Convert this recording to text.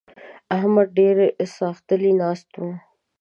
احمد ډېر ساختلی ناست وو.